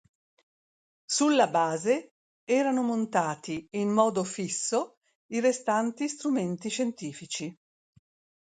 Sulla base erano montati, in modo fisso, i restanti strumenti scientifici.